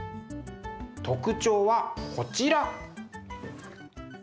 特徴はこちら。